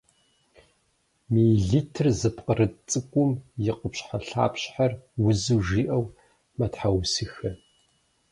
Миелитыр зыпкърыт цӏыкӏум и къупщхьэлъапщхьэр узу жиӏэу мэтхьэусыхэ.